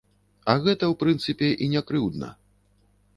А гэта, у прынцыпе і не крыўдна.